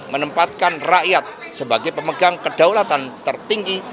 menempatkan rakyat sebagai pemegang kedaulatan tertinggi